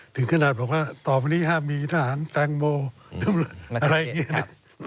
ถึงขนาดบอกว่าต่อไปนี้ห้ามมีทหารแตงโมอะไรอย่างนี้